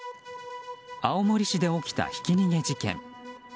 青森市で起きたひき逃げ事件。